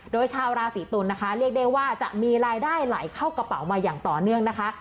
โดยชาวราศีตุลนะคะเรียกได้ว่าจะมีรายได้ไหลเข้ากระเป๋ามาอย่างต่อเนื่องนะคะ